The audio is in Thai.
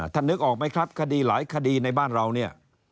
นึกออกไหมครับคดีหลายคดีในบ้านเราเนี่ย